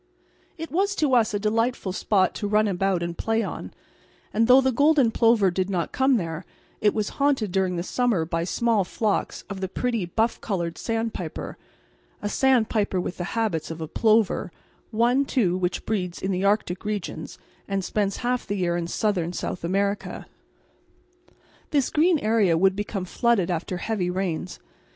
It was to us a delightful spot to run about and play on, and though the golden plover did not come there it was haunted during the summer by small flocks of the pretty buff coloured sandpiper, a sandpiper with the habits of a plover, one, too, which breeds in the arctic regions and spends half the year in southern South America. This green area would become flooded after heavy rains.